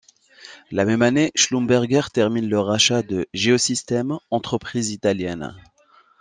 La même année, Schlumberger termine le rachat de Geosystem, entreprise italienne.